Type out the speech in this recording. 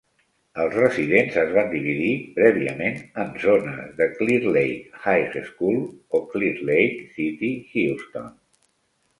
Els residents es van dividir prèviament en zones de Clear Lake High School a Clear Lake City, Houston.